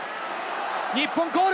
日本コール！